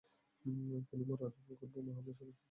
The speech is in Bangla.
তিনি মুরারিপুকুর বোমা মামলায় সক্রিয় ছিলেন।